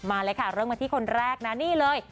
มาเลยค่ะเริ่มกันที่คนแรกนะนี่เลย